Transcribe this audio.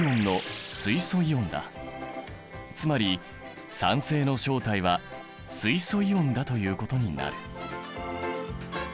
つまり酸性の正体は水素イオンだということになる。